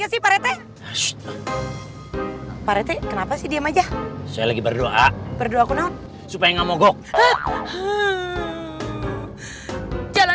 sih parete parete kenapa sih diam aja saya lagi berdoa berdoa supaya nggak mogok jalan